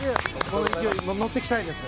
この勢いに乗っていきたいです。